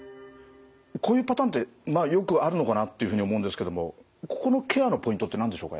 こういうパターンってまあよくあるのかなっていうふうに思うんですけどもここのケアのポイントって何でしょうか？